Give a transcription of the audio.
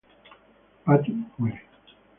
Patty muere.